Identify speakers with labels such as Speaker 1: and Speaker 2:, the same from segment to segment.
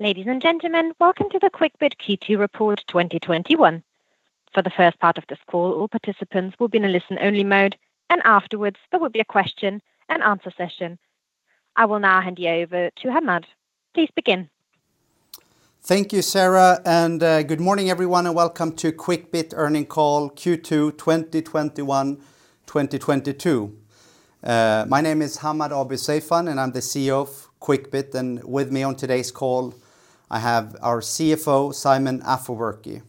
Speaker 1: Ladies and gentlemen, welcome to the Quickbit Q2 report 2021. For the first part of this call, all participants will be in a listen-only mode, and afterwards there will be a question-and-answer session. I will now hand you over to Hammad. Please begin.
Speaker 2: Thank you, Sarah, and good morning, everyone, and welcome to Quickbit earnings call Q2 2021/2022. My name is Hammad Abuiseifan, and I'm the CEO of Quickbit. With me on today's call I have our CFO, Simon Afeworki.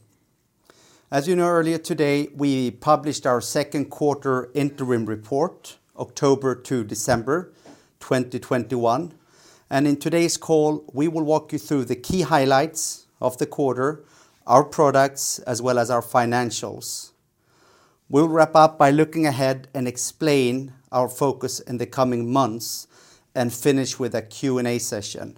Speaker 2: As you know, earlier today, we published our second quarter interim report, October to December 2021, and in today's call, we will walk you through the key highlights of the quarter, our products, as well as our financials. We'll wrap up by looking ahead and explain our focus in the coming months and finish with a Q&A session.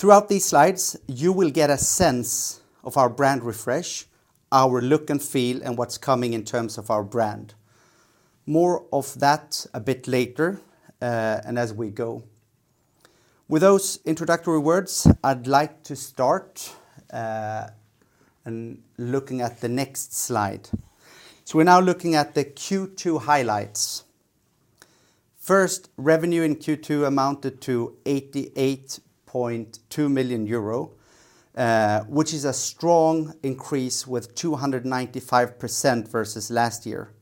Speaker 2: Throughout these slides, you will get a sense of our brand refresh, our look and feel, and what's coming in terms of our brand. More of that a bit later, and as we go. With those introductory words, I'd like to start and looking at the next slide. We're now looking at the Q2 highlights. First, revenue in Q2 amounted to 88.2 million euro, which is a strong increase with 295% versus last year.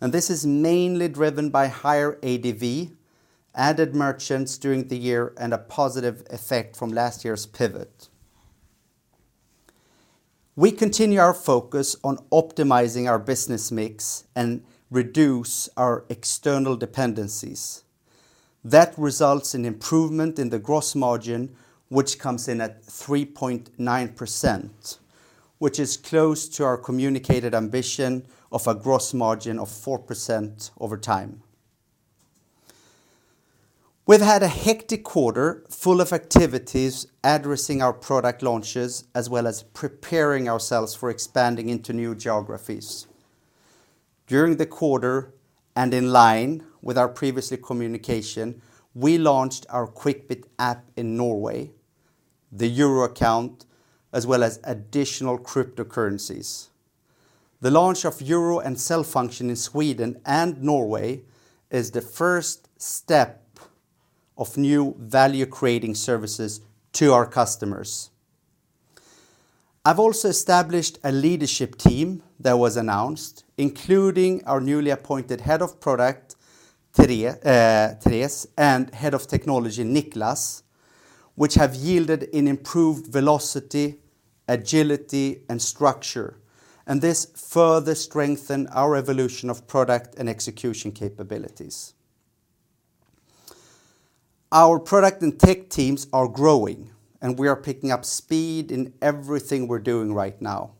Speaker 2: This is mainly driven by higher ADV, added merchants during the year, and a positive effect from last year's pivot. We continue our focus on optimizing our business mix and reduce our external dependencies. That results in improvement in the gross margin, which comes in at 3.9%, which is close to our communicated ambition of a gross margin of 4% over time. We've had a hectic quarter full of activities addressing our product launches, as well as preparing ourselves for expanding into new geographies. During the quarter, in line with our previous communication, we launched our Quickbit App in Norway, the Euro account, as well as additional cryptocurrencies. The launch of Euro and sell function in Sweden and Norway is the first step of new value-creating services to our customers. I've also established a leadership team that was announced, including our newly appointed Head of Product, Therese, and Head of Technology, Niklas, which have yielded an improved velocity, agility, and structure, and this further strengthened our evolution of product and execution capabilities. Our product and tech teams are growing, and we are picking up speed in everything we're doing right now.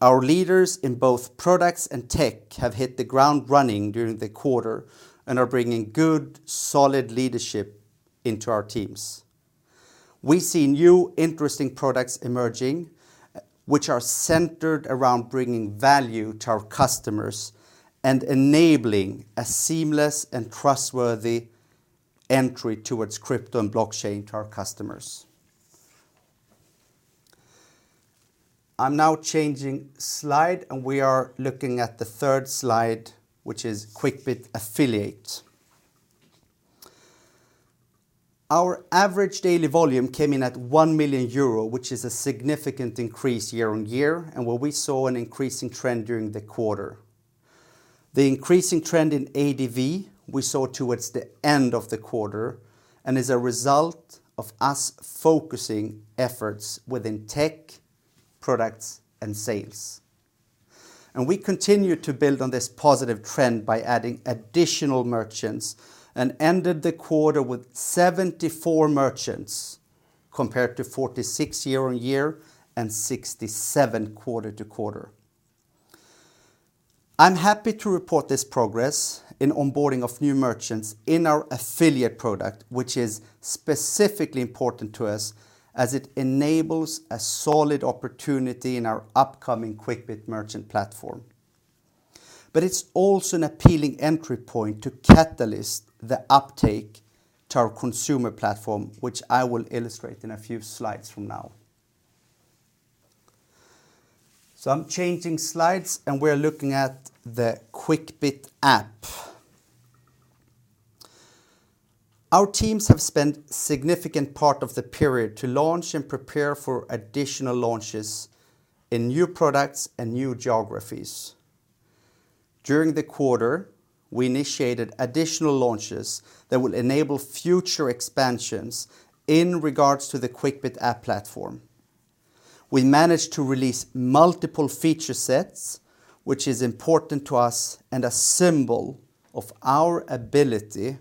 Speaker 2: Our leaders in both products and tech have hit the ground running during the quarter and are bringing good, solid leadership into our teams. We see new interesting products emerging, which are centered around bringing value to our customers and enabling a seamless and trustworthy entry towards crypto and blockchain to our customers. I'm now changing slide, and we are looking at the third slide, which is Quickbit Affiliate. Our average daily volume came in at 1 million euro, which is a significant increase year-on-year and where we saw an increasing trend during the quarter. The increasing trend in ADV we saw towards the end of the quarter and is a result of us focusing efforts within tech, products, and sales. We continue to build on this positive trend by adding additional merchants and ended the quarter with 74 merchants compared to 46 year-on-year and 67 quarter-to-quarter. I'm happy to report this progress in onboarding of new merchants in our affiliate product, which is specifically important to us as it enables a solid opportunity in our upcoming Quickbit Merchant platform. It's also an appealing entry point to catalyze the uptake to our consumer platform, which I will illustrate in a few slides from now. I'm changing slides, and we're looking at the Quickbit App. Our teams have spent significant part of the period to launch and prepare for additional launches in new products and new geographies. During the quarter, we initiated additional launches that will enable future expansions in regards to the Quickbit App platform. We managed to release multiple feature sets, which is important to us and a symbol of our ability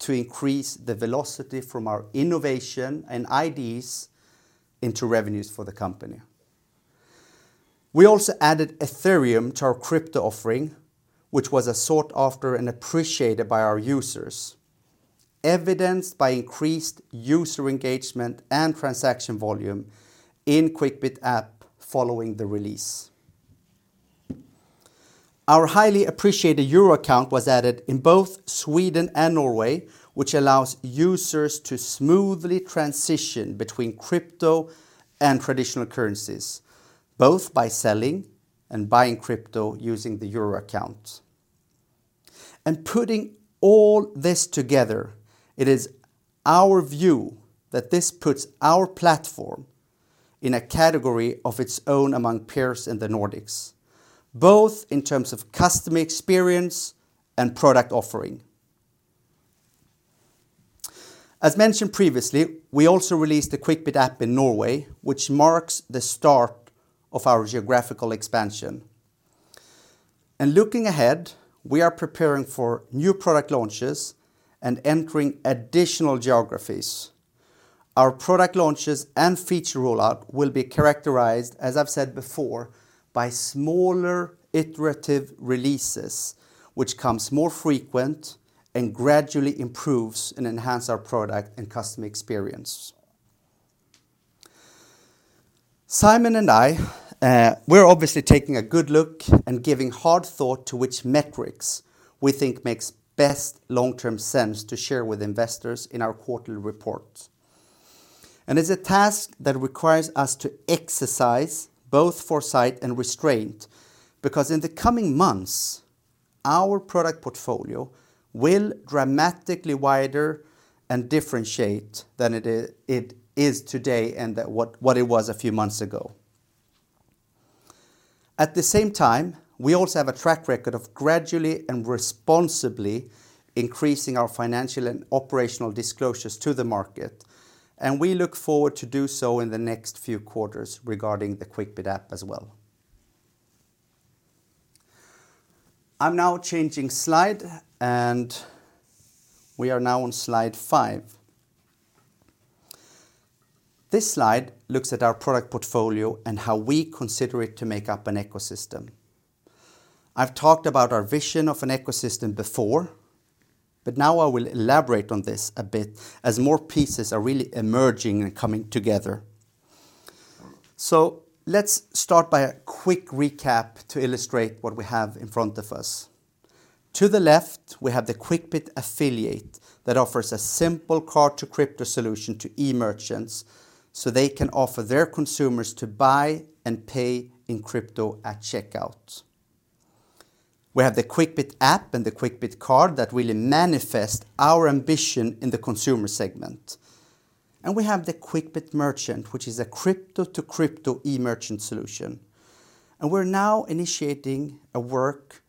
Speaker 2: to increase the velocity from our innovation and R&D into revenues for the company. We also added Ethereum to our crypto offering, which was a sought-after and appreciated by our users, evidenced by increased user engagement and transaction volume in Quickbit App following the release. Our highly appreciated Euro account was added in both Sweden and Norway, which allows users to smoothly transition between crypto and traditional currencies, both by selling and buying crypto using the Euro account. Putting all this together, it is our view that this puts our platform in a category of its own among peers in the Nordics, both in terms of customer experience and product offering. As mentioned previously, we also released the Quickbit App in Norway, which marks the start of our geographical expansion and looking ahead, we are preparing for new product launches and entering additional geographies. Our product launches and feature rollout will be characterized, as I've said before, by smaller iterative releases which comes more frequent and gradually improves and enhance our product and customer experience. Simon and I, we're obviously taking a good look and giving hard thought to which metrics we think makes best long-term sense to share with investors in our quarterly report. It's a task that requires us to exercise both foresight and restraint because in the coming months, our product portfolio will dramatically wider and differentiate than it is today and what it was a few months ago. At the same time, we also have a track record of gradually and responsibly increasing our financial and operational disclosures to the market, and we look forward to do so in the next few quarters regarding the Quickbit App as well. I'm now changing slide and we are now on slide five. This slide looks at our product portfolio and how we consider it to make up an ecosystem. I've talked about our vision of an ecosystem before, but now I will elaborate on this a bit as more pieces are really emerging and coming together. So let's start by a quick recap to illustrate what we have in front of us. To the left, we have the Quickbit Affiliate that offers a simple card-to-crypto solution to e-merchants so they can offer their consumers to buy and pay in crypto at checkout. We have the Quickbit App and the Quickbit Card that really manifest our ambition in the consumer segment. We have the Quickbit Merchant, which is a crypto-to-crypto e-merchant solution. We're now initiating a work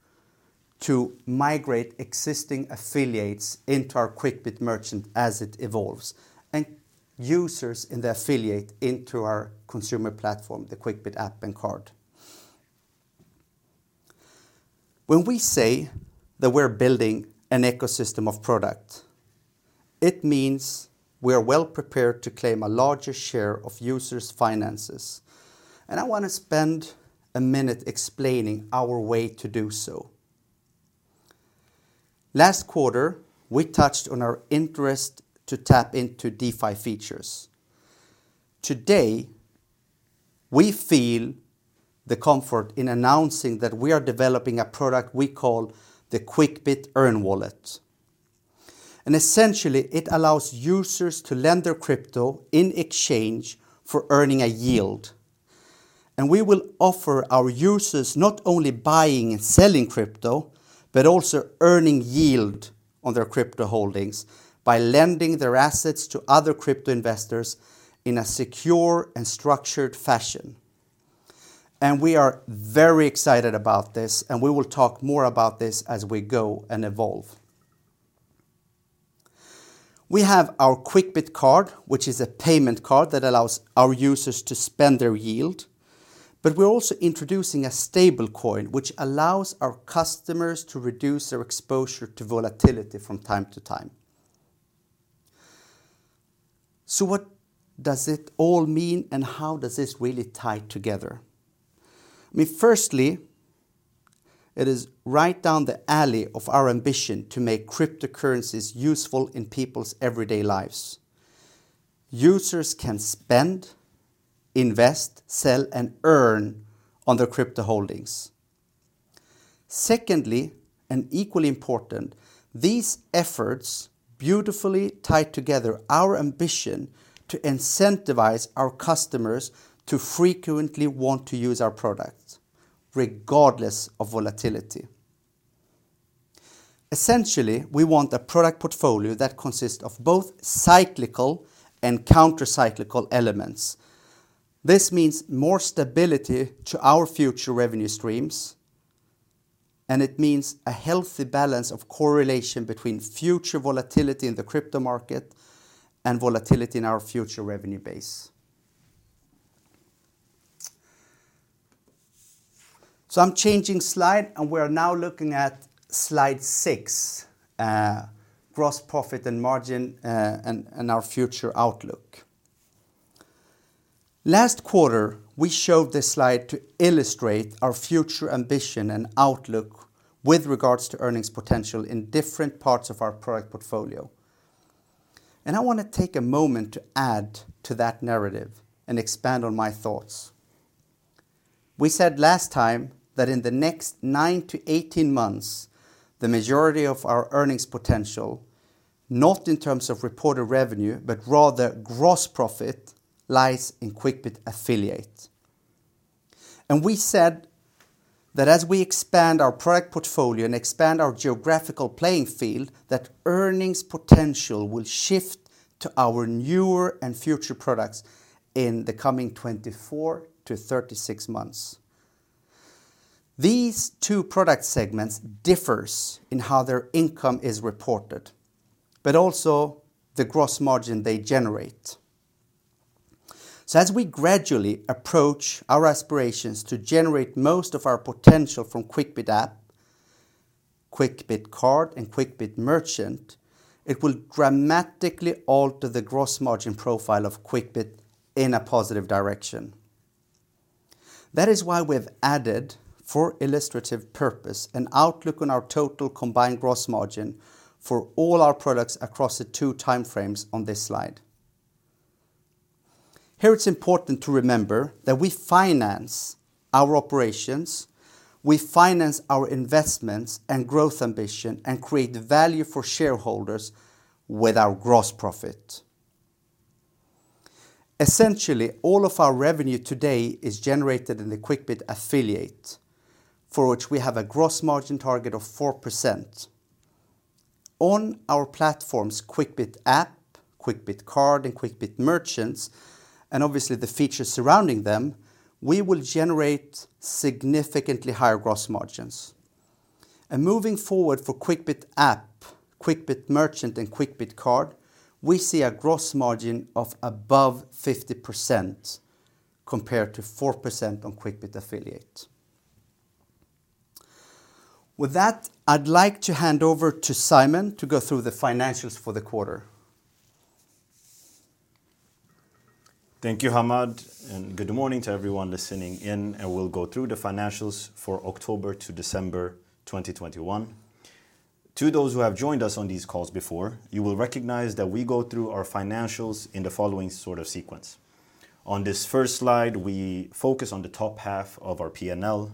Speaker 2: to migrate existing affiliates into our Quickbit Merchant as it evolves and users in the affiliate into our consumer platform, the Quickbit App and Card. When we say that we're building an ecosystem of product, it means we are well-prepared to claim a larger share of users' finances, and I wanna spend a minute explaining our way to do so. Last quarter, we touched on our interest to tap into DeFi features. Today, we feel the comfort in announcing that we are developing a product we call the Quickbit Earn Wallet, and essentially, it allows users to lend their crypto in exchange for earning a yield. We will offer our users not only buying and selling crypto, but also earning yield on their crypto holdings by lending their assets to other crypto investors in a secure and structured fashion. We are very excited about this, and we will talk more about this as we go and evolve. We have our Quickbit Card, which is a payment card that allows our users to spend their yield, but we're also introducing a stablecoin which allows our customers to reduce their exposure to volatility from time to time. What does it all mean and how does this really tie together? I mean, firstly, it is right down the alley of our ambition to make cryptocurrencies useful in people's everyday lives. Users can spend, invest, sell, and earn on their crypto holdings. Secondly, and equally important, these efforts beautifully tie together our ambition to incentivize our customers to frequently want to use our products regardless of volatility. Essentially, we want a product portfolio that consists of both cyclical and counter-cyclical elements. This means more stability to our future revenue streams, and it means a healthy balance of correlation between future volatility in the crypto market and volatility in our future revenue base. I'm changing slide, and we're now looking at slide 6, gross profit and margin, and our future outlook. Last quarter, we showed this slide to illustrate our future ambition and outlook with regards to earnings potential in different parts of our product portfolio. I want to take a moment to add to that narrative and expand on my thoughts. We said last time that in the next 9-18 months, the majority of our earnings potential, not in terms of reported revenue, but rather gross profit, lies in Quickbit Affiliate. We said that as we expand our product portfolio and expand our geographical playing field, that earnings potential will shift to our newer and future products in the coming 24-36 months. These two product segments differs in how their income is reported, but also the gross margin they generate. As we gradually approach our aspirations to generate most of our potential from Quickbit App, Quickbit Card, and Quickbit Merchant, it will dramatically alter the gross margin profile of Quickbit in a positive direction. That is why we have added, for illustrative purpose, an outlook on our total combined gross margin for all our products across the two time frames on this slide. Here, it's important to remember that we finance our operations, we finance our investments and growth ambition, and create value for shareholders with our gross profit. Essentially, all of our revenue today is generated in the Quickbit Affiliate, for which we have a gross margin target of 4%. On our platforms, Quickbit App, Quickbit Card, and Quickbit Merchant, and obviously the features surrounding them, we will generate significantly higher gross margins. Moving forward for Quickbit App, Quickbit Merchant, and Quickbit Card, we see a gross margin of above 50% compared to 4% on Quickbit Affiliate. With that, I'd like to hand over to Simon to go through the financials for the quarter.
Speaker 3: Thank you, Hammad, and good morning to everyone listening in. I will go through the financials for October to December 2021. To those who have joined us on these calls before, you will recognize that we go through our financials in the following sort of sequence. On this first slide, we focus on the top half of our P&L.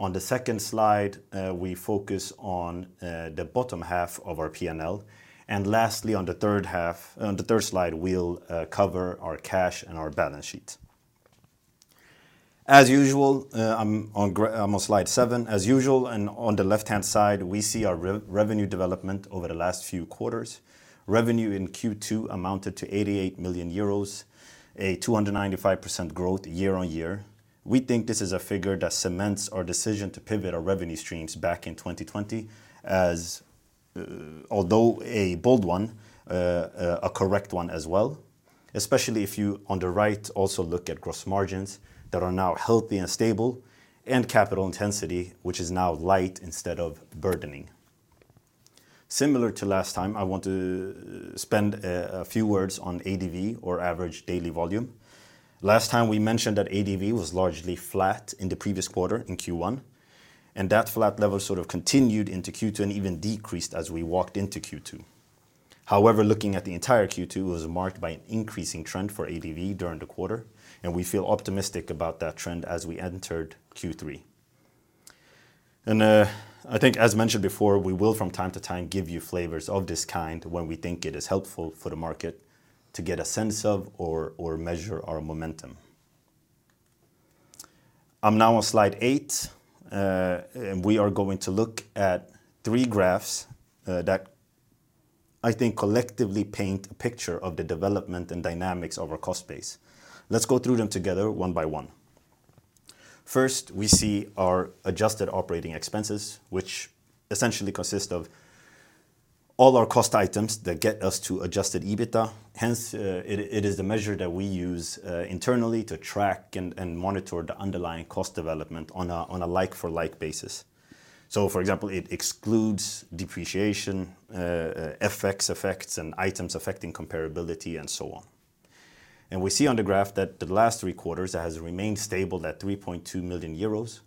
Speaker 3: On the second slide, we focus on the bottom half of our P&L. Lastly, on the third slide, we'll cover our cash and our balance sheet. As usual, I'm on slide seven. As usual, on the left-hand side, we see our revenue development over the last few quarters. Revenue in Q2 amounted to 88 million euros, a 295% growth year-over-year. We think this is a figure that cements our decision to pivot our revenue streams back in 2020 as, although a bold one, a correct one as well, especially if you, on the right, also look at gross margins that are now healthy and stable, and capital intensity, which is now light instead of burdening. Similar to last time, I want to spend a few words on ADV, or Average Daily Volume. Last time we mentioned that ADV was largely flat in the previous quarter, in Q1, and that flat level sort of continued into Q2 and even decreased as we walked into Q2. However, looking at the entire Q2, it was marked by an increasing trend for ADV during the quarter, and we feel optimistic about that trend as we entered Q3. I think, as mentioned before, we will from time to time give you flavors of this kind when we think it is helpful for the market to get a sense of or measure our momentum. I'm now on slide eight. We are going to look at three graphs that I think collectively paint a picture of the development and dynamics of our cost base. Let's go through them together one by one. First, we see our adjusted operating expenses, which essentially consist of all our cost items that get us to adjusted EBITDA. Hence, it is the measure that we use internally to track and monitor the underlying cost development on a like-for-like basis. For example, it excludes depreciation, FX effects, and items affecting comparability, and so on. We see on the graph that the last three quarters, it has remained stable at 3.2 million euros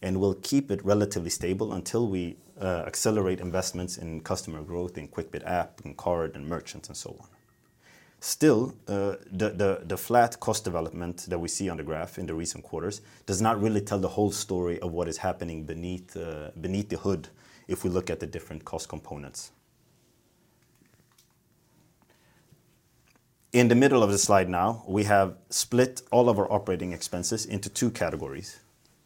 Speaker 3: and will keep it relatively stable until we accelerate investments in customer growth in Quickbit App and Card and Merchants and so on. Still, the flat cost development that we see on the graph in the recent quarters does not really tell the whole story of what is happening beneath the hood if we look at the different cost components. In the middle of the slide now, we have split all of our operating expenses into two categories.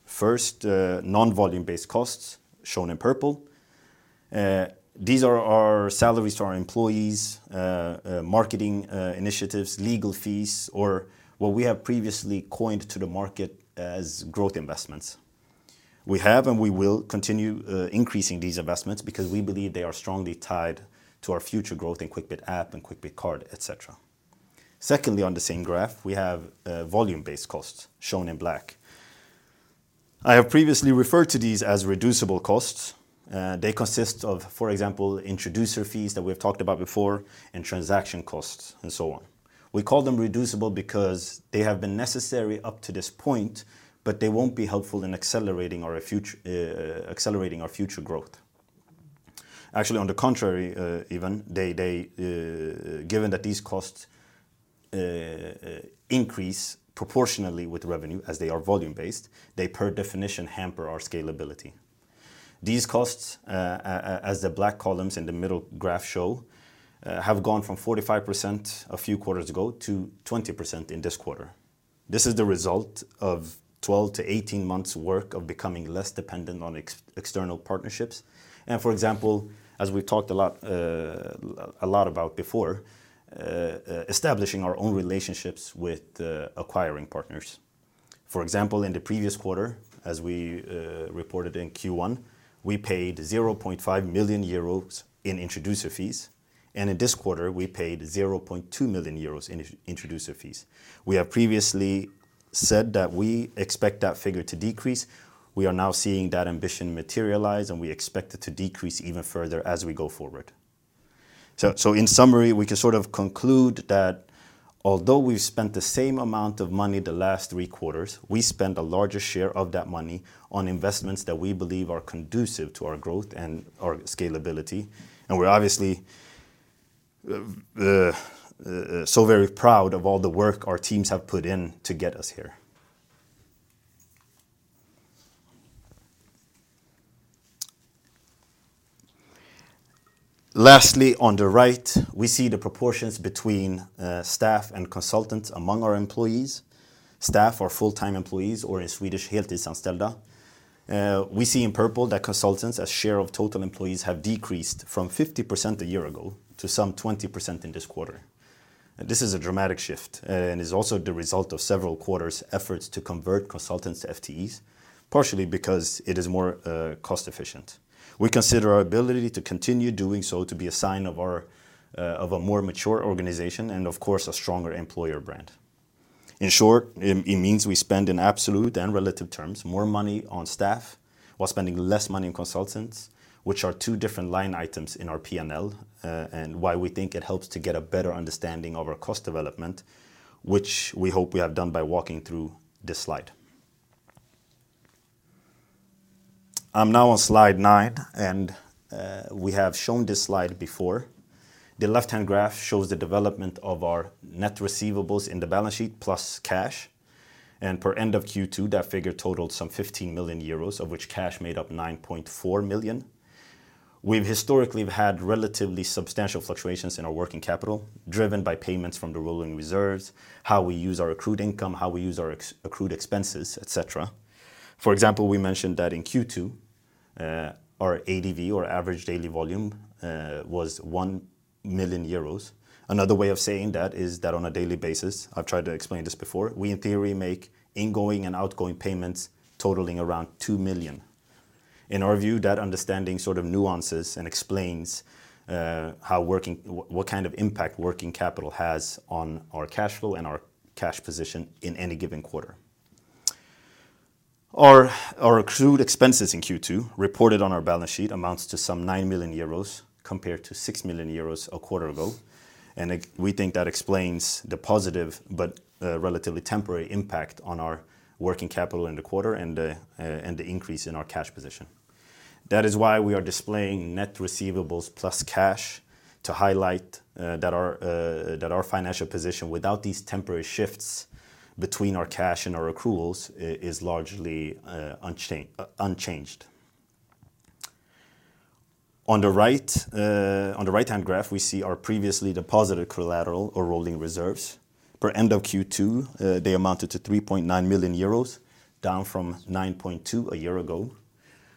Speaker 3: First, non-volume-based costs, shown in purple. These are our salaries to our employees, marketing initiatives, legal fees, or what we have previously coined to the market as growth investments. We have and we will continue increasing these investments because we believe they are strongly tied to our future growth in Quickbit App and Quickbit Card, et cetera. Secondly, on the same graph, we have volume-based costs, shown in black. I have previously referred to these as reducible costs. They consist of, for example, introducer fees that we've talked about before and transaction costs, and so on. We call them reducible because they have been necessary up to this point, but they won't be helpful in accelerating our future growth. Actually, on the contrary, even they, given that these costs increase proportionally with revenue as they are volume-based, they per definition hamper our scalability. These costs, as the black columns in the middle graph show, have gone from 45% a few quarters ago to 20% in this quarter. This is the result of 12-18 months work of becoming less dependent on external partnerships. For example, as we talked a lot about before, establishing our own relationships with the acquiring partners. For example, in the previous quarter, as we reported in Q1, we paid 0.5 million euros in introducer fees, and in this quarter we paid 0.2 million euros in introducer fees. We have previously said that we expect that figure to decrease. We are now seeing that ambition materialize, and we expect it to decrease even further as we go forward. In summary, we can sort of conclude that although we've spent the same amount of money the last three quarters, we spent a larger share of that money on investments that we believe are conducive to our growth and our scalability. We're obviously so very proud of all the work our teams have put in to get us here. Lastly, on the right, we see the proportions between staff and consultants among our employees. Staff are full-time employees or in Swedish, heltidsanställda. We see in purple that consultants, as share of total employees, have decreased from 50% a year ago to some 20% in this quarter. This is a dramatic shift and is also the result of several quarters efforts to convert consultants to FTEs, partially because it is more cost efficient. We consider our ability to continue doing so to be a sign of our more mature organization and of course a stronger employer brand. In short, it means we spend in absolute and relative terms more money on staff while spending less money on consultants, which are two different line items in our P&L, and why we think it helps to get a better understanding of our cost development, which we hope we have done by walking through this slide. I'm now on slide 9, and we have shown this slide before. The left-hand graph shows the development of our net receivables in the balance sheet plus cash. Per end of Q2, that figure totaled some 15 million euros, of which cash made up 9.4 million. We've historically had relatively substantial fluctuations in our working capital, driven by payments from the rolling reserves, how we use our accrued income, how we use our accrued expenses, et cetera. For example, we mentioned that in Q2, our ADV or average daily volume was 1 million euros. Another way of saying that is that on a daily basis, I've tried to explain this before, we in theory make ingoing and outgoing payments totaling around 2 million. In our view, that understanding sort of nuances and explains what kind of impact working capital has on our cash flow and our cash position in any given quarter. Our accrued expenses in Q2 reported on our balance sheet amounts to some 9 million euros compared to 6 million euros a quarter ago. We think that explains the positive but relatively temporary impact on our working capital in the quarter and the increase in our cash position. That is why we are displaying net receivables plus cash to highlight that our financial position without these temporary shifts between our cash and our accruals is largely unchanged. On the right, on the right-hand graph, we see our previously deposited collateral or rolling reserves. Per end of Q2, they amounted to 3.9 million euros, down from 9.2 million a year ago.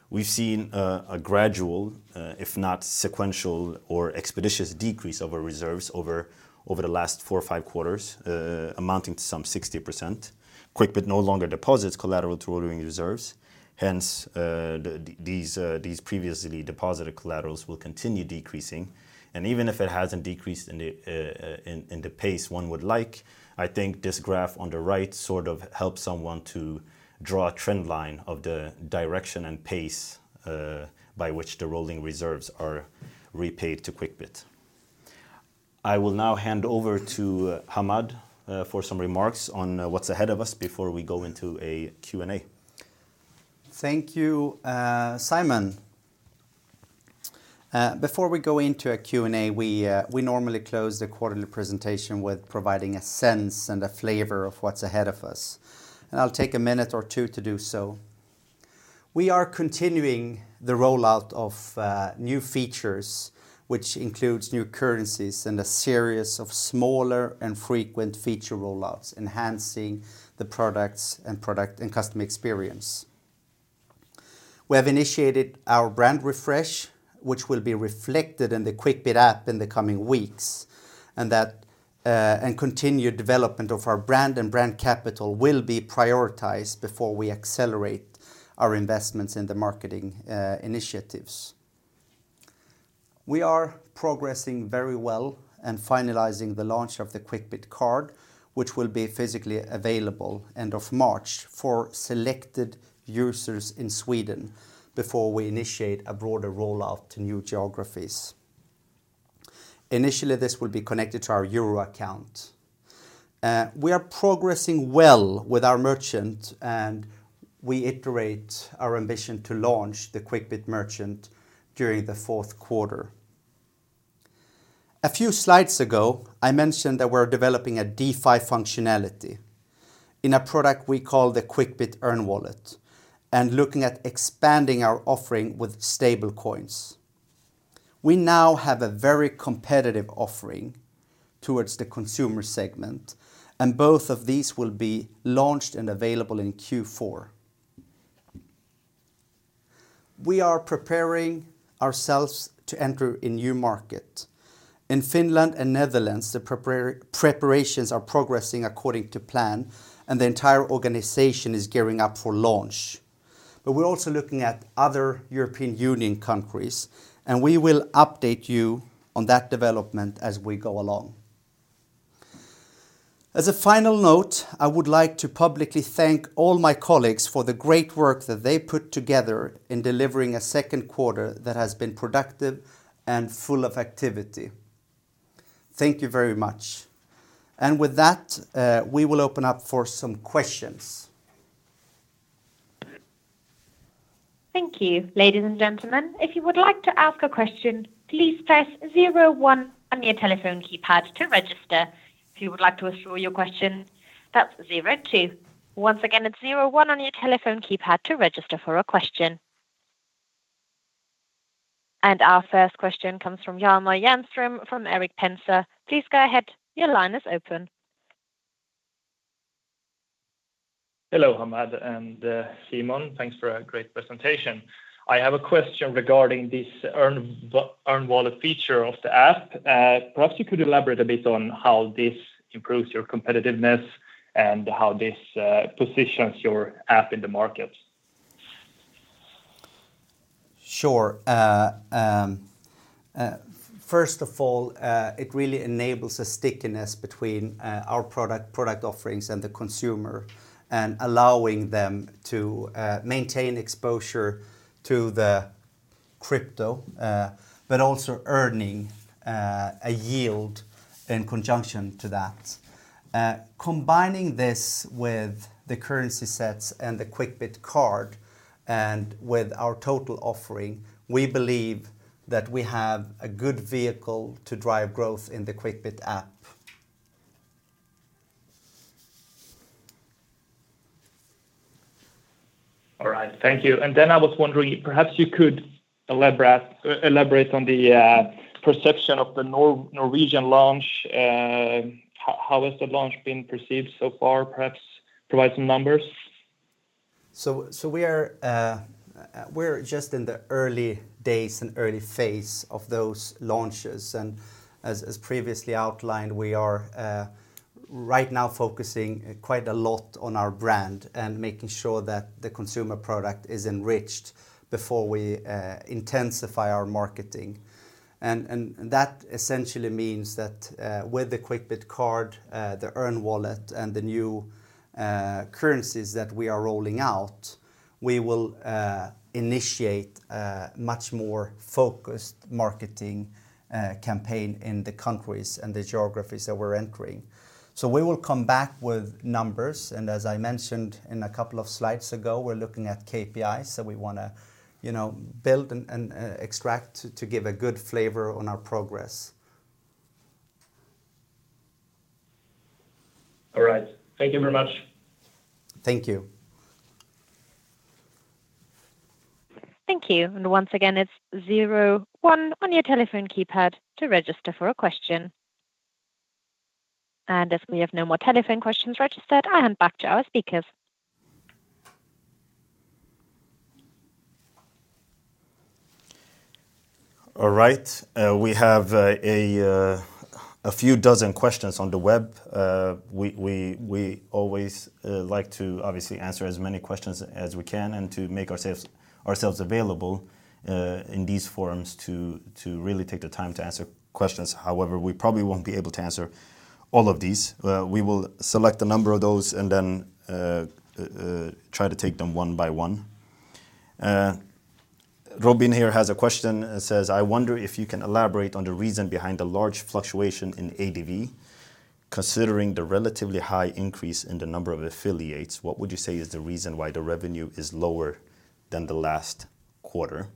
Speaker 3: We've seen a gradual, if not sequential or expeditious, decrease of our reserves over the last four or five quarters, amounting to some 60%. Quickbit no longer deposits collateral to rolling reserves. Hence, these previously deposited collaterals will continue decreasing, and even if it hasn't decreased in the pace one would like, I think this graph on the right sort of helps someone to draw a trend line of the direction and pace by which the rolling reserves are repaid to Quickbit. I will now hand over to Hammad for some remarks on what's ahead of us before we go into a Q&A.
Speaker 2: Thank you, Simon. Before we go into a Q&A, we normally close the quarterly presentation with providing a sense and a flavor of what's ahead of us, and I'll take a minute or two to do so. We are continuing the rollout of new features, which includes new currencies and a series of smaller and frequent feature rollouts, enhancing the products and customer experience. We have initiated our brand refresh, which will be reflected in the Quickbit App in the coming weeks, and that and continued development of our brand and brand capital will be prioritized before we accelerate our investments in the marketing initiatives. We are progressing very well and finalizing the launch of the Quickbit Card, which will be physically available end of March for selected users in Sweden before we initiate a broader rollout to new geographies. Initially, this will be connected to our Euro account. We are progressing well with our merchant, and we reiterate our ambition to launch the Quickbit Merchant during the fourth quarter. A few slides ago, I mentioned that we're developing a DeFi functionality in a product we call the Quickbit Earn Wallet and looking at expanding our offering with stablecoins. We now have a very competitive offering towards the consumer segment, and both of these will be launched and available in Q4. We are preparing ourselves to enter a new market. In Finland and Netherlands, the preparations are progressing according to plan, and the entire organization is gearing up for launch. We're also looking at other European Union countries, and we will update you on that development as we go along. As a final note, I would like to publicly thank all my colleagues for the great work that they put together in delivering a second quarter that has been productive and full of activity. Thank you very much. With that, we will open up for some questions.
Speaker 1: Thank you. Ladies and gentlemen, if you would like to ask a question, please press zero one on your telephone keypad to register. If you would like to withdraw your question, that's zero two. Once again, it's zero one on your telephone keypad to register for a question. Our first question comes from Hjalmar Jernström from Erik Penser Bank. Please go ahead. Your line is open.
Speaker 4: Hello, Hammad and Simon. Thanks for a great presentation. I have a question regarding this Earn Wallet feature of the app. Perhaps you could elaborate a bit on how this improves your competitiveness and how this positions your app in the market.
Speaker 2: Sure. First of all, it really enables a stickiness between our product offerings and the consumer and allowing them to maintain exposure to the crypto, but also earning a yield in conjunction to that. Combining this with the currency sets and the Quickbit Card and with our total offering, we believe that we have a good vehicle to drive growth in the Quickbit App.
Speaker 4: All right. Thank you. I was wondering, perhaps you could elaborate on the perception of the Norwegian launch. How has the launch been perceived so far? Perhaps provide some numbers.
Speaker 2: We are just in the early days and early phase of those launches, and as previously outlined, we are right now focusing quite a lot on our brand and making sure that the consumer product is enriched before we intensify our marketing. That essentially means that with the Quickbit Card, the Earn Wallet and the new currencies that we are rolling out, we will initiate a much more focused marketing campaign in the countries and the geographies that we're entering. We will come back with numbers, and as I mentioned in a couple of slides ago, we're looking at KPIs that we wanna, you know, build and extract to give a good flavor on our progress.
Speaker 4: All right. Thank you very much.
Speaker 2: Thank you.
Speaker 1: Thank you. Once again, it's zero one on your telephone keypad to register for a question. As we have no more telephone questions registered, I hand back to our speakers.
Speaker 3: All right. We have a few dozen questions on the web. We always like to obviously answer as many questions as we can and to make ourselves available in these forums to really take the time to answer questions. However, we probably won't be able to answer all of these. We will select a number of those and then try to take them one by one. Robin here has a question. It says, "I wonder if you can elaborate on the reason behind the large fluctuation in ADV, considering the relatively high increase in the number of affiliates. What would you say is the reason why the revenue is lower than the last quarter?"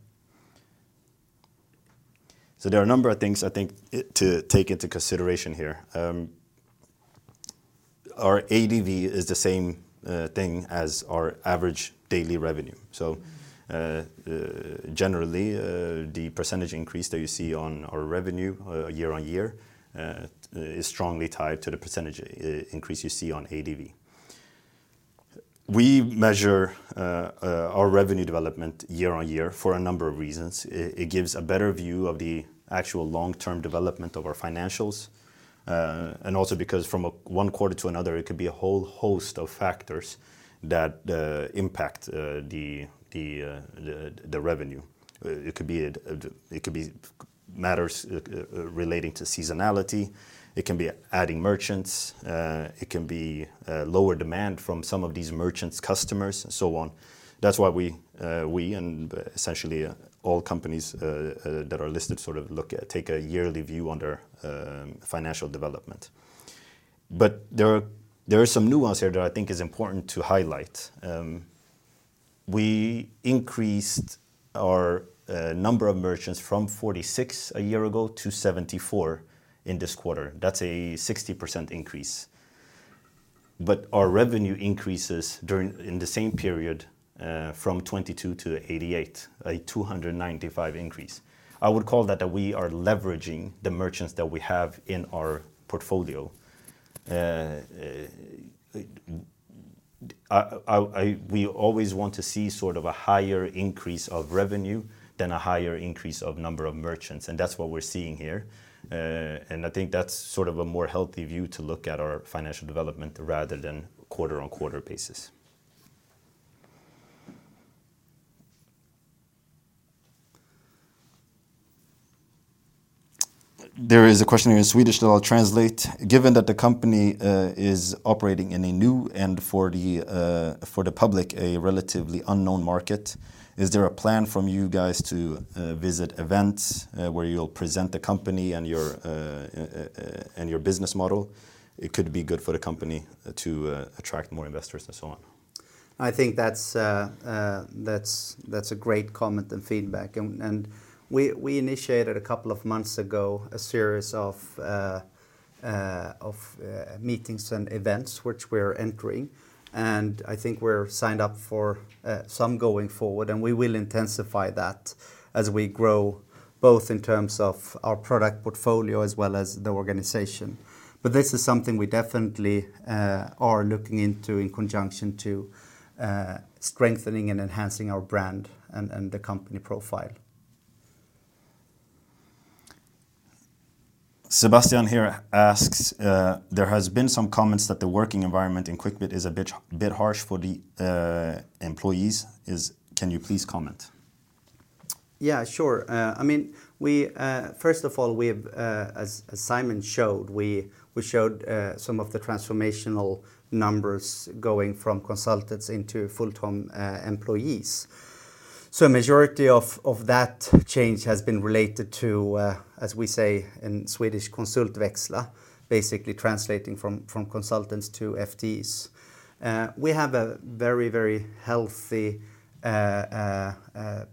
Speaker 3: So there are a number of things I think to take into consideration here. Our ADV is the same thing as our average daily revenue. Generally, the percentage increase that you see on our revenue year on year is strongly tied to the percentage increase you see on ADV. We measure our revenue development year on year for a number of reasons. It gives a better view of the actual long-term development of our financials, and also because from one quarter to another, it could be a whole host of factors that impact the revenue. It could be matters relating to seasonality, it can be adding merchants, it can be lower demand from some of these merchants' customers and so on. That's why we and essentially all companies that are listed sort of take a yearly view on their financial development. There are some nuance here that I think is important to highlight. We increased our number of merchants from 46 a year ago to 74 in this quarter. That's a 60% increase. Our revenue increases in the same period from 22 to 88, a 295% increase. I would call that we are leveraging the merchants that we have in our portfolio. We always want to see sort of a higher increase of revenue than a higher increase of number of merchants, and that's what we're seeing here. I think that's sort of a more healthy view to look at our financial development rather than quarter-over-quarter basis. There is a question here in Swedish that I'll translate. Given that the company is operating in a new and for the public a relatively unknown market, is there a plan from you guys to visit events where you'll present the company and your business model? It could be good for the company to attract more investors and so on.
Speaker 2: I think that's a great comment and feedback. We initiated a couple of months ago a series of meetings and events which we're entering, and I think we're signed up for some going forward, and we will intensify that as we grow, both in terms of our product portfolio as well as the organization. This is something we definitely are looking into in conjunction to strengthening and enhancing our brand and the company profile.
Speaker 3: Sebastian here asks, "There has been some comments that the working environment in Quickbit is a bit harsh for the employees. Can you please comment?
Speaker 2: Yeah, sure. I mean, we first of all, as Simon showed, we showed some of the transformational numbers going from consultants into full-time employees. Majority of that change has been related to, as we say in Swedish, konsultväxla, basically translating from consultants to FTs. We have a very healthy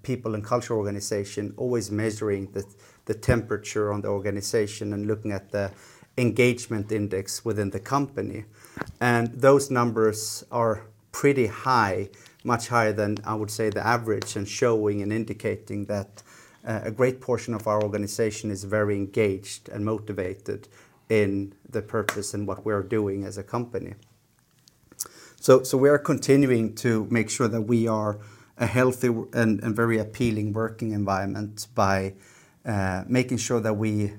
Speaker 2: people and culture organization always measuring the temperature on the organization and looking at the engagement index within the company. Those numbers are pretty high, much higher than, I would say, the average, and showing and indicating that a great portion of our organization is very engaged and motivated in the purpose and what we're doing as a company. We are continuing to make sure that we are a healthy and very appealing working environment by making sure that we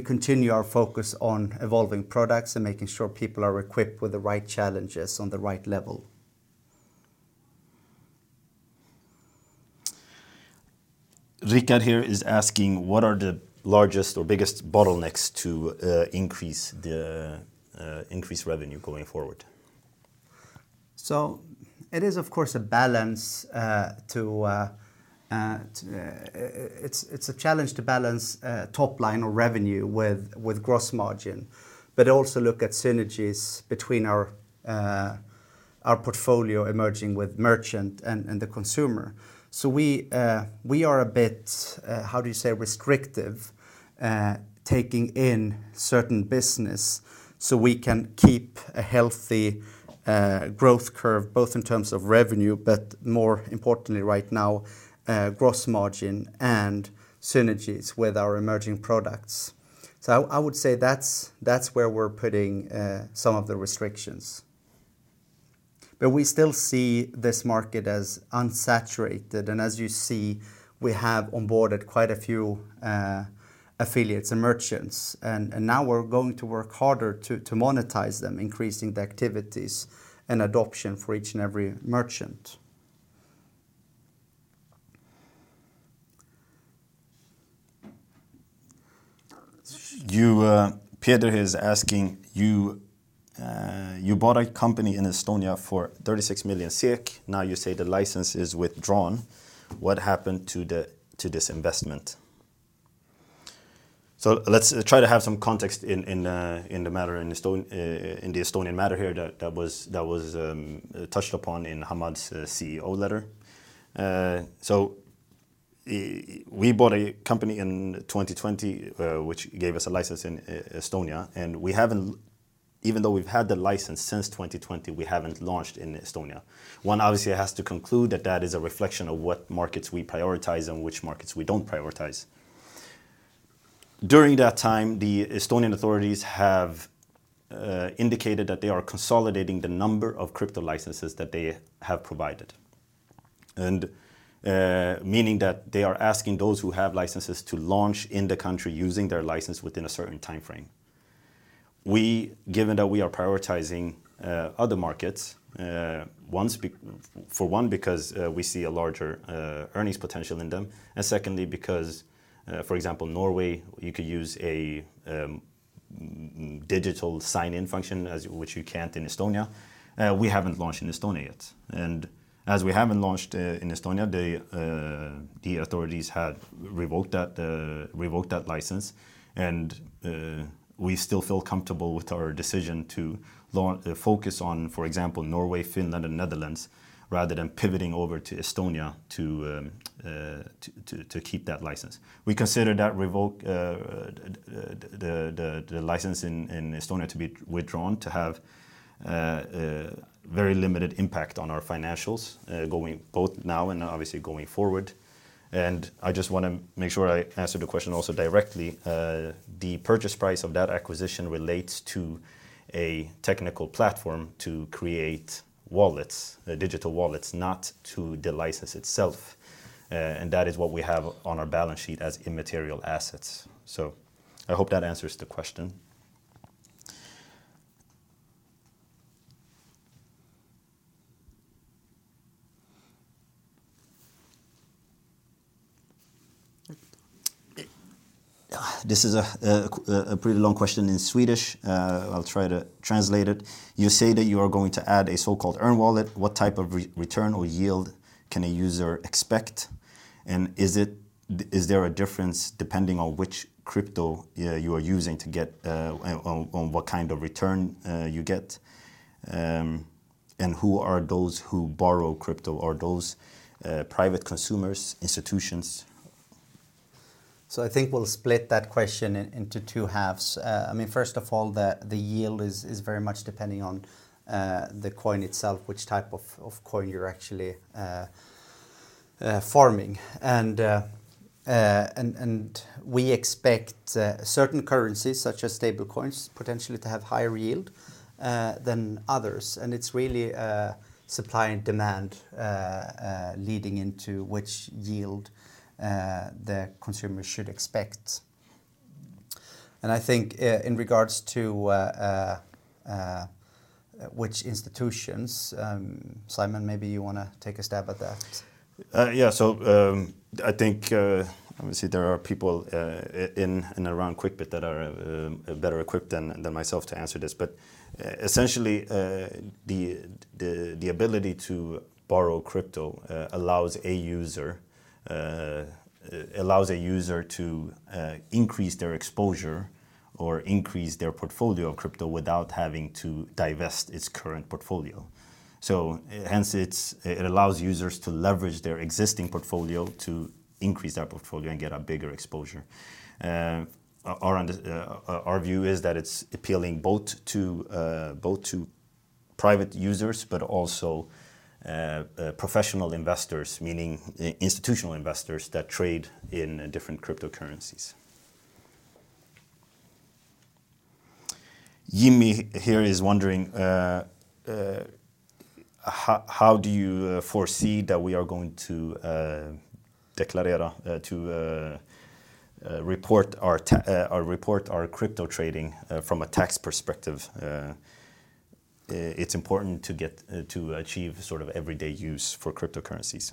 Speaker 2: continue our focus on evolving products and making sure people are equipped with the right challenges on the right level.
Speaker 3: Rickard here is asking, "What are the largest or biggest bottlenecks to increase revenue going forward?
Speaker 2: It is of course a balance. It is a challenge to balance top line or revenue with gross margin, but also look at synergies between our portfolio emerging with merchant and the consumer. We are a bit restrictive taking in certain business so we can keep a healthy growth curve, both in terms of revenue, but more importantly right now, gross margin and synergies with our emerging products. I would say that's where we're putting some of the restrictions. We still see this market as unsaturated. As you see, we have onboarded quite a few affiliates and merchants. Now we're going to work harder to monetize them, increasing the activities and adoption for each and every merchant.
Speaker 3: Peder is asking, "You, you bought a company in Estonia for 36 million SEK. Now you say the license is withdrawn. What happened to this investment?" Let's try to have some context in the matter in the Estonian matter here that was touched upon in Hammad's CEO letter. We bought a company in 2020, which gave us a license in Estonia, and we haven't even though we've had the license since 2020, we haven't launched in Estonia. One obviously has to conclude that is a reflection of what markets we prioritize and which markets we don't prioritize. During that time, the Estonian authorities have indicated that they are consolidating the number of crypto licenses that they have provided, and meaning that they are asking those who have licenses to launch in the country using their license within a certain timeframe. We, given that we are prioritizing other markets, for one, because we see a larger earnings potential in them, and secondly, because for example, Norway, you could use a digital sign-in function which you can't in Estonia. We haven't launched in Estonia yet. As we haven't launched in Estonia, the authorities had revoked that license, and we still feel comfortable with our decision to focus on, for example, Norway, Finland, and Netherlands, rather than pivoting over to Estonia to keep that license. We consider the revocation of the license in Estonia to have a very limited impact on our financials going both now and obviously going forward. I just wanna make sure I answer the question also directly. The purchase price of that acquisition relates to a technical platform to create wallets, digital wallets, not to the license itself. That is what we have on our balance sheet as intangible assets. I hope that answers the question. This is a pretty long question in Swedish. I'll try to translate it. You say that you are going to add a so-called earn wallet. What type of return or yield can a user expect? Is there a difference depending on which crypto you are using to get on what kind of return you get? Who are those who borrow crypto? Are those private consumers, institutions?
Speaker 2: I think we'll split that question into two halves. I mean, first of all, the yield is very much depending on the coin itself, which type of coin you're actually farming. We expect certain currencies, such as stablecoins, potentially to have higher yield than others. It's really supply and demand leading into which yield the consumer should expect. I think in regards to which institutions, Simon, maybe you wanna take a stab at that?
Speaker 3: Yeah. I think obviously there are people in and around Quickbit that are better equipped than myself to answer this. Essentially, the ability to borrow crypto allows a user to increase their exposure or increase their portfolio of crypto without having to divest its current portfolio. Hence it allows users to leverage their existing portfolio to increase their portfolio and get a bigger exposure. Our view is that it's appealing both to private users, but also professional investors, meaning institutional investors that trade in different cryptocurrencies. Jimmy here is wondering how do you foresee that we are going to deklarera to report our crypto trading from a tax perspective? It's important to get to achieve sort of everyday use for cryptocurrencies.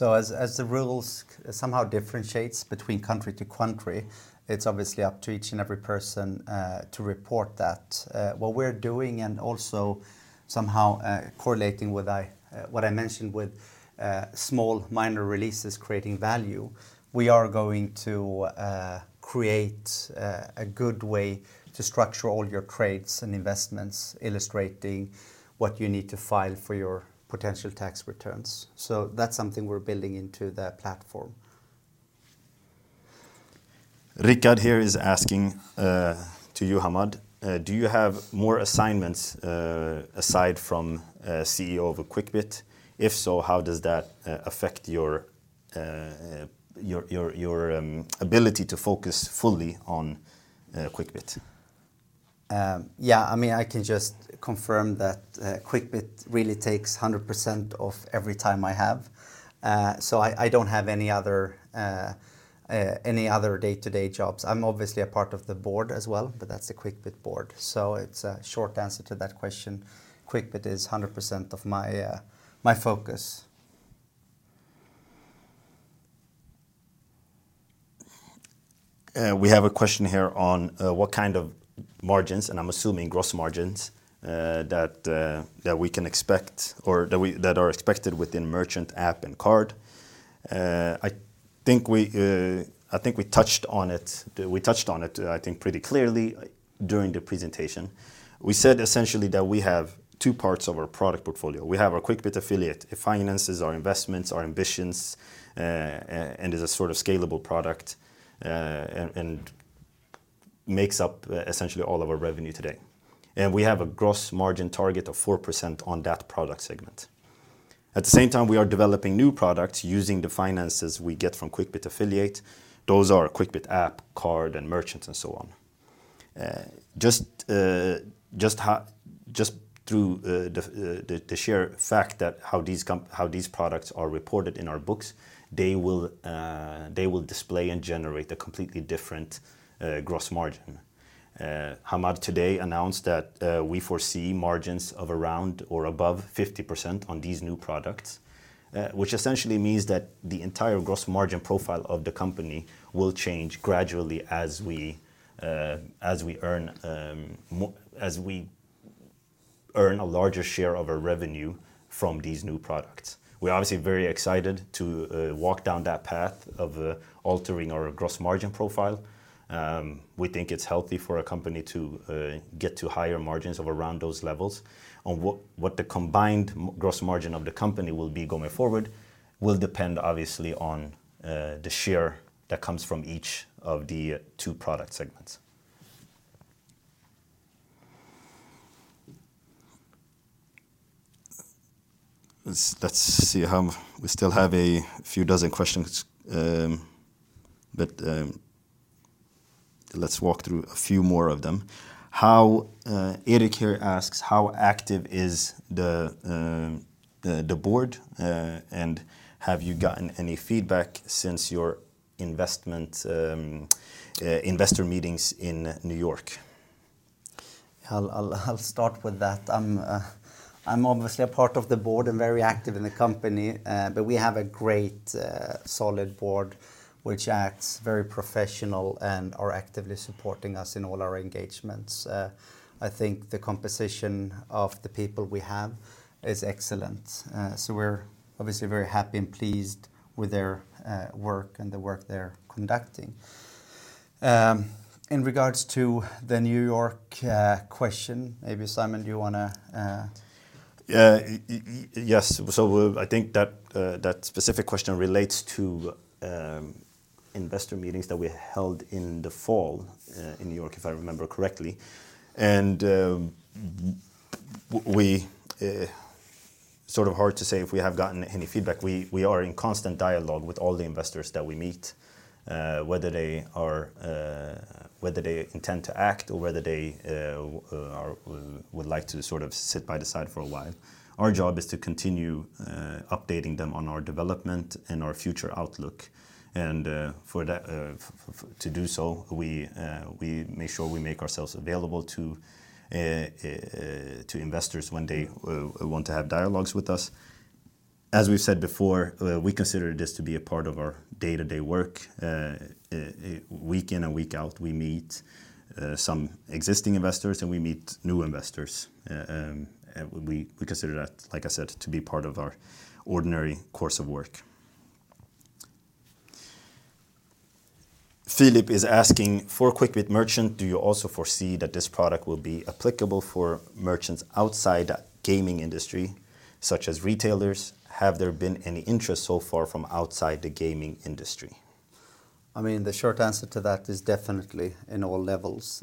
Speaker 2: As the rules somehow differentiates between country to country, it's obviously up to each and every person to report that. What we're doing and also somehow correlating with what I mentioned with small minor releases creating value, we are going to create a good way to structure all your trades and investments, illustrating what you need to file for your potential tax returns. That's something we're building into the platform.
Speaker 3: Rickard here is asking to you, Hammad, do you have more assignments aside from CEO of Quickbit? If so, how does that affect your ability to focus fully on Quickbit?
Speaker 2: Yeah, I mean, I can just confirm that Quickbit really takes 100% of every time I have. I don't have any other day-to-day jobs. I'm obviously a part of the board as well, but that's the Quickbit board. It's a short answer to that question. Quickbit is 100% of my focus.
Speaker 3: We have a question here on what kind of margins, and I'm assuming gross margins, that we can expect or that are expected within Merchant, App, and Card. I think we touched on it pretty clearly during the presentation. We said essentially that we have two parts of our product portfolio. We have our Quickbit Affiliate. It finances our investments, our ambitions, and is a sort of scalable product, and makes up essentially all of our revenue today. We have a gross margin target of 4% on that product segment. At the same time, we are developing new products using the finances we get from Quickbit Affiliate. Those are Quickbit App, Card, and Merchants and so on. Just through the sheer fact that how these products are reported in our books, they will display and generate a completely different gross margin. Hammad today announced that we foresee margins of around or above 50% on these new products. Which essentially means that the entire gross margin profile of the company will change gradually as we earn a larger share of our revenue from these new products. We're obviously very excited to walk down that path of altering our gross margin profile. We think it's healthy for a company to get to higher margins of around those levels. On what the combined gross margin of the company will be going forward will depend obviously on the share that comes from each of the two product segments. Let's see how. We still have a few dozen questions, but let's walk through a few more of them. Eric here asks, "How active is the board and have you gotten any feedback since your investor meetings in New York?
Speaker 2: I'll start with that. I'm obviously a part of the board and very active in the company. We have a great, solid board which acts very professional and are actively supporting us in all our engagements. I think the composition of the people we have is excellent. We're obviously very happy and pleased with their work and the work they're conducting. In regards to the New York question, maybe Simon, do you wanna
Speaker 3: Yes. I think that specific question relates to investor meetings that we held in the fall in New York, if I remember correctly. Sort of hard to say if we have gotten any feedback. We are in constant dialogue with all the investors that we meet, whether they intend to act or whether they would like to sort of sit by the side for a while. Our job is to continue updating them on our development and our future outlook. For that, to do so, we make sure we make ourselves available to investors when they want to have dialogues with us. As we've said before, we consider this to be a part of our day-to-day work. Week in and week out, we meet some existing investors, and we meet new investors. We consider that, like I said, to be part of our ordinary course of work. Philip is asking, "For Quickbit Merchant, do you also foresee that this product will be applicable for merchants outside the gaming industry, such as retailers? Have there been any interest so far from outside the gaming industry?
Speaker 2: I mean, the short answer to that is definitely in all levels.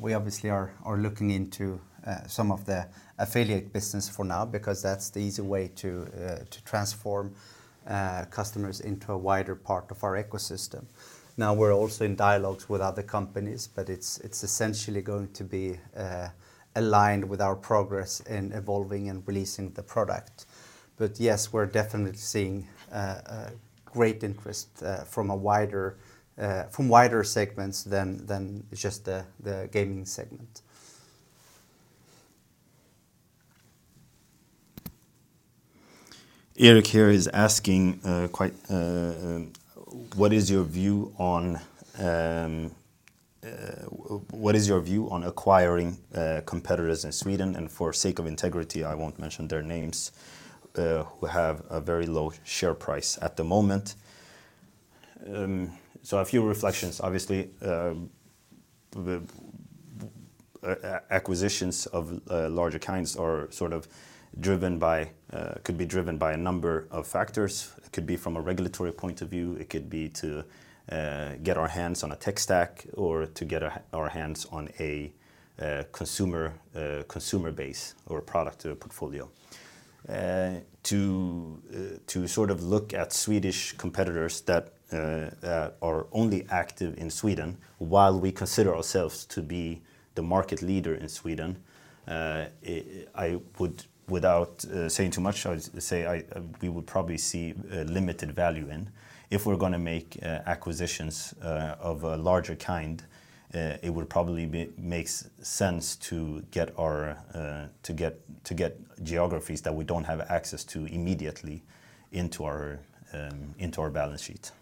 Speaker 2: We obviously are looking into some of the affiliate business for now because that's the easy way to transform customers into a wider part of our ecosystem. Now, we're also in dialogues with other companies, but it's essentially going to be aligned with our progress in evolving and releasing the product. Yes, we're definitely seeing a great interest from wider segments than just the gaming segment.
Speaker 3: Eric here is asking quite, "What is your view on acquiring competitors in Sweden?" For sake of integrity, I won't mention their names, who have a very low share price at the moment. A few reflections. Obviously, acquisitions of larger kinds are sort of driven by a number of factors. It could be from a regulatory point of view, it could be to get our hands on a tech stack, or to get our hands on a consumer base or a product or a portfolio. To sort of look at Swedish competitors that are only active in Sweden, while we consider ourselves to be the market leader in Sweden, I would, without saying too much, I'll say we would probably see limited value in. If we're gonna make acquisitions of a larger kind, it would probably make sense to get geographies that we don't have access to immediately into our balance sheet.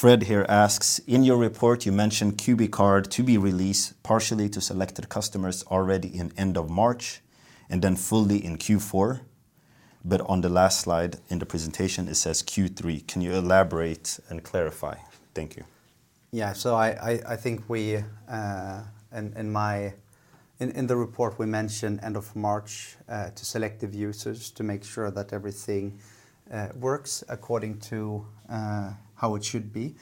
Speaker 3: Fred here asks, "In your report, you mentioned Quickbit Card to be released partially to selected customers already in end of March, and then fully in Q4. But on the last slide in the presentation, it says Q3. Can you elaborate and clarify? Thank you.
Speaker 2: Yeah. I think we in my report we mentioned end of March to selective users to make sure that everything works according to how it should be.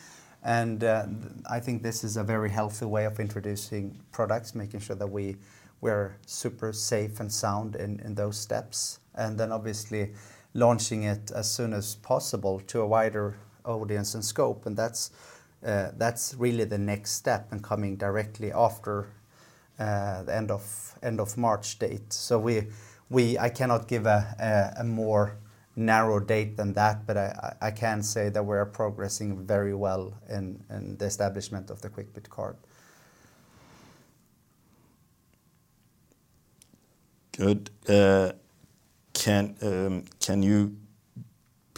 Speaker 2: I think this is a very healthy way of introducing products, making sure that we're super safe and sound in those steps. Then obviously launching it as soon as possible to a wider audience and scope. That's really the next step, and coming directly after the end of March date. I cannot give a more narrow date than that, but I can say that we're progressing very well in the establishment of the Quickbit Card.
Speaker 3: Good. Can you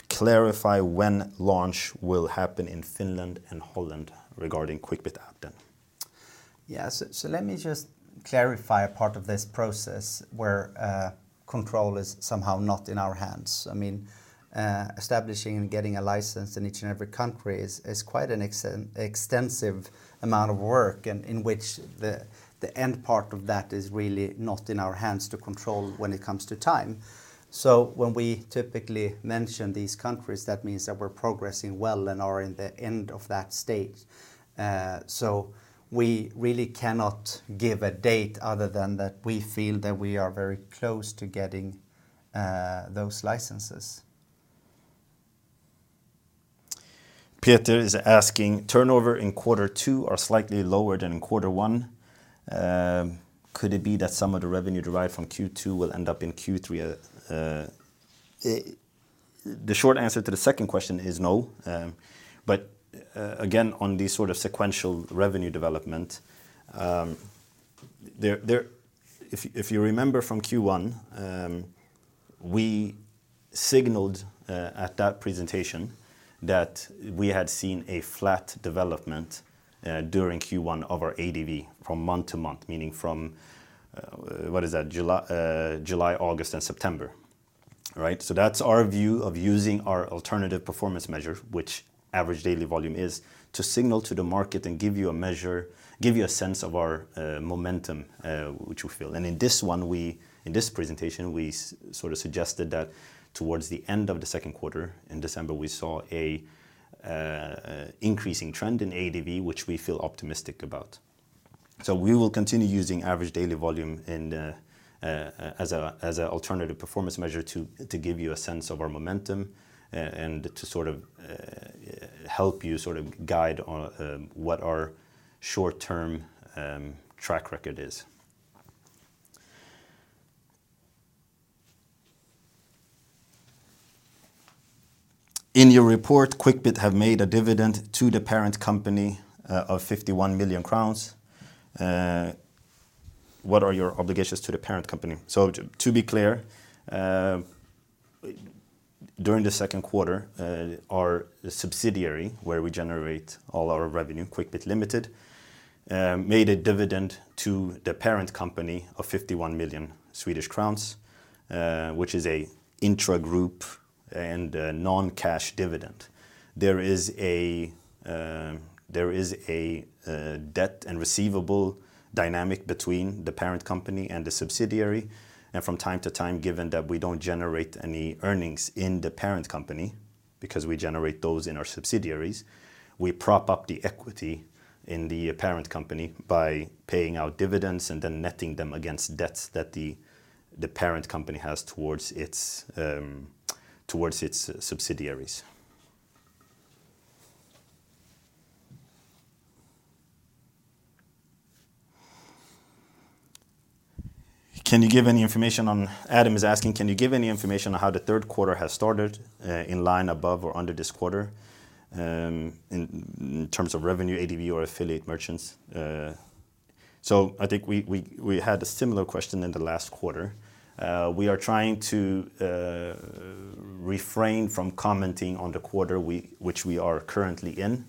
Speaker 3: clarify when launch will happen in Finland and Holland regarding Quickbit app then?
Speaker 2: Yeah. Let me just clarify a part of this process where control is somehow not in our hands. I mean, establishing and getting a license in each and every country is quite an extensive amount of work in which the end part of that is really not in our hands to control when it comes to time. When we typically mention these countries, that means that we're progressing well and are in the end of that stage. We really cannot give a date other than that we feel that we are very close to getting those licenses.
Speaker 3: Peter is asking: Turnover in quarter two are slightly lower than in quarter one. Could it be that some of the revenue derived from Q2 will end up in Q3? The short answer to the second question is no. But again, on the sort of sequential revenue development, there— If you remember from Q1, we signaled at that presentation that we had seen a flat development during Q1 of our ADV from month to month, meaning from July, August, and September. Right? That's our view of using our alternative performance measure, which average daily volume is, to signal to the market and give you a measure, give you a sense of our momentum, which we feel. In this one, in this presentation, we sort of suggested that towards the end of the second quarter, in December, we saw an increasing trend in ADV, which we feel optimistic about. We will continue using average daily volume as an alternative performance measure to give you a sense of our momentum and to sort of help you sort of guide on what our short-term track record is. In your report, Quickbit have made a dividend to the parent company of 51 million crowns. What are your obligations to the parent company? To be clear, during the second quarter, our subsidiary, where we generate all our revenue, Quickbit Limited, made a dividend to the parent company of 51 million Swedish crowns, which is an intragroup and a non-cash dividend. There is a debt and receivable dynamic between the parent company and the subsidiary. From time to time, given that we don't generate any earnings in the parent company because we generate those in our subsidiaries, we prop up the equity in the parent company by paying out dividends and then netting them against debts that the parent company has towards its subsidiaries. Adam is asking: Can you give any information on how the third quarter has started, in line above or under this quarter, in terms of revenue, ADV, or affiliate merchants? I think we had a similar question in the last quarter. We are trying to refrain from commenting on the quarter which we are currently in,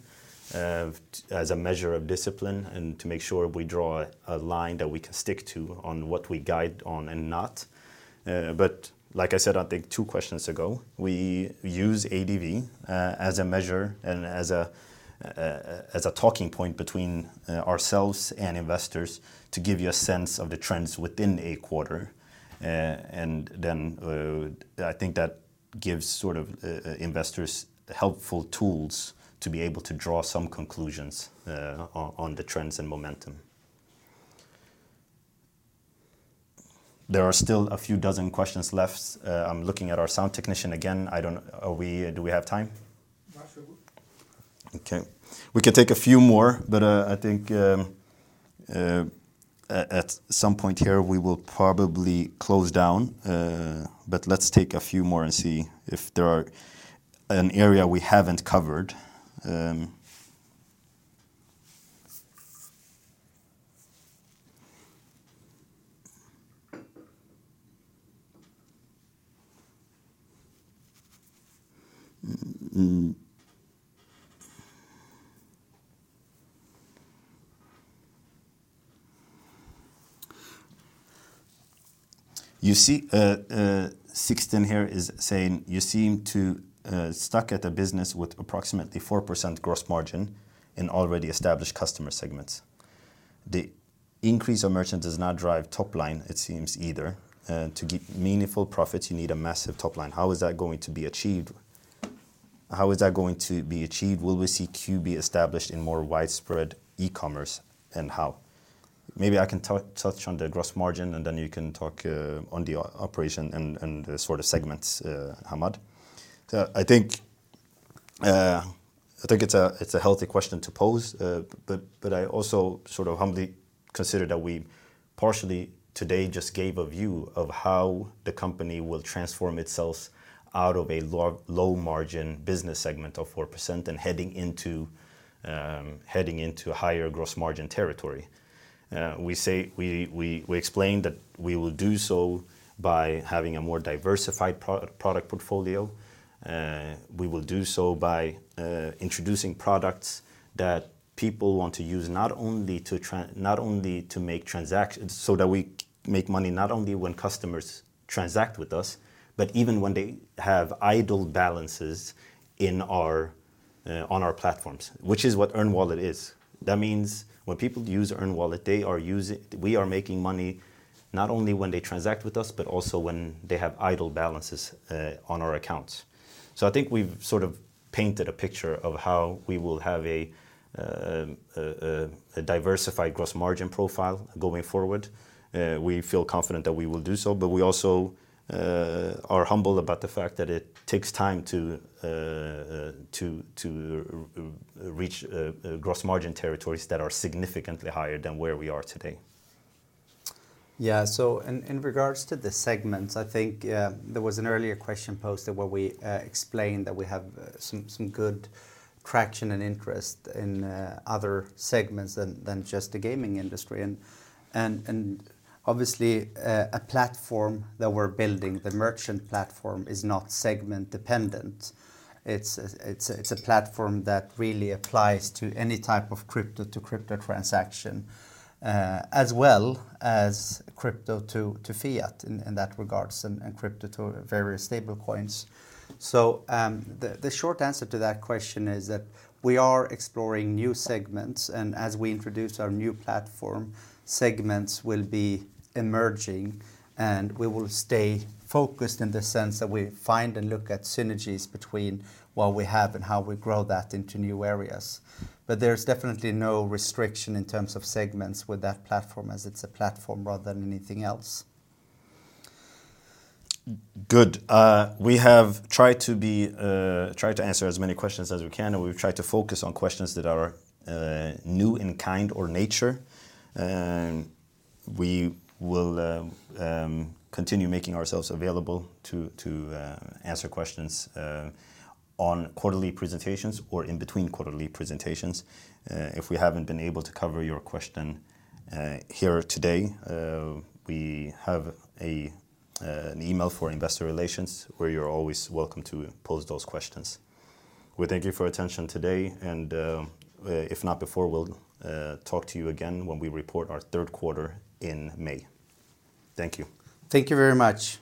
Speaker 3: as a measure of discipline and to make sure we draw a line that we can stick to on what we guide on and not. Like I said, I think two questions ago, we use ADV as a measure and as a talking point between ourselves and investors to give you a sense of the trends within a quarter. I think that gives sort of investors helpful tools to be able to draw some conclusions on the trends and momentum. There are still a few dozen questions left. I'm looking at our sound technician again. I don't. Do we have time? Yeah, sure, good. Okay. We can take a few more, but I think at some point here, we will probably close down. Let's take a few more and see if there is an area we haven't covered. You see, Sixten here is saying: You seem to be stuck at a business with approximately 4% gross margin in already established customer segments. The increase of merchant does not drive top line, it seems, either. To get meaningful profits, you need a massive top line. How is that going to be achieved? Will we see QB established in more widespread e-commerce? How? Maybe I can touch on the gross margin, and then you can talk on the operation and the sort of segments, Hammad.
Speaker 2: I think.
Speaker 3: I think it's a healthy question to pose, but I also sort of humbly consider that we partially today just gave a view of how the company will transform itself out of a low margin business segment of 4% and heading into higher gross margin territory. We explained that we will do so by having a more diversified product portfolio, we will do so by introducing products that people want to use, not only to make transactions so that we make money not only when customers transact with us, but even when they have idle balances in our on our platforms, which is what Earn Wallet is. That means when people use Earn Wallet, we are making money not only when they transact with us, but also when they have idle balances on our accounts. I think we've sort of painted a picture of how we will have a diversified gross margin profile going forward. We feel confident that we will do so, but we also are humble about the fact that it takes time to reach a gross margin territories that are significantly higher than where we are today.
Speaker 2: Yeah. In regards to the segments, I think there was an earlier question posted where we explained that we have some good traction and interest in other segments than just the gaming industry. Obviously a platform that we're building, the merchant platform is not segment-dependent. It's a platform that really applies to any type of crypto to crypto transaction, as well as crypto to fiat in that regards, and crypto to various stablecoins. The short answer to that question is that we are exploring new segments, and as we introduce our new platform, segments will be emerging, and we will stay focused in the sense that we find and look at synergies between what we have and how we grow that into new areas. There's definitely no restriction in terms of segments with that platform as it's a platform rather than anything else.
Speaker 3: Good. We have tried to answer as many questions as we can, and we've tried to focus on questions that are new in kind or nature. We will continue making ourselves available to answer questions on quarterly presentations or in between quarterly presentations. If we haven't been able to cover your question here today, we have an email for investor relations where you're always welcome to pose those questions. We thank you for your attention today, and if not before, we'll talk to you again when we report our third quarter in May. Thank you.
Speaker 2: Thank you very much.